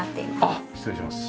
あっ失礼します。